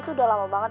tuh udah lama banget